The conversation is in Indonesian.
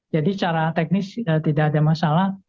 jadi secara teknis tidak ada masalah